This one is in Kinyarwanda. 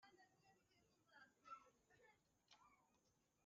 ambasade ni inzu yabo.